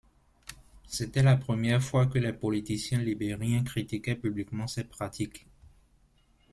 C'était la première fois que les politiciens libériens critiquaient publiquement ces pratiques.